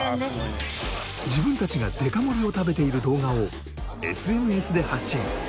自分たちがデカ盛りを食べている動画をＳＮＳで発信！